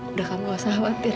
udah kamu gak usah khawatir